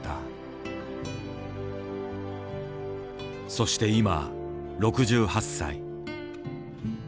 そして今６８歳。